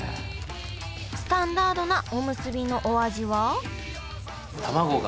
スタンダードなおむすびのお味は？